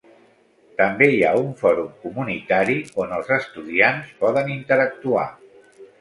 També hi ha un fòrum comunitari on els estudiants poden interactuar.